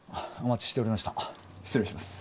失礼します。